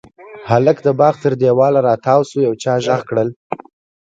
هلک د باغ تر دېواله را تاو شو، يو چا غږ کړل: